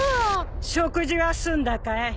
食事は済んだかい？